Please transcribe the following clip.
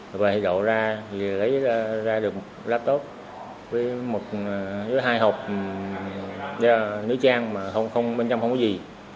rồi về thì đổ ra lấy ra được laptop với hai hộp nữ trang mà bên trong không có gì